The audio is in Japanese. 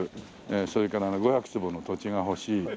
それから５００坪の土地が欲しい。